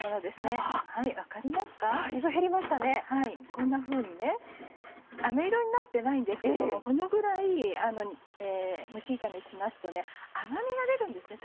こんなふうにあめ色になってないんですけどもこのぐらい蒸し炒めしますと甘みが出るんですね